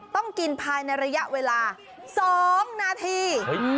ต้องกินภายในระยะเวลา๒นาที